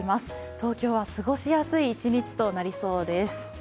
東京は過ごしやすい一日となりそうです。